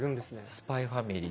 「ＳＰＹ×ＦＡＭＩＬＹ」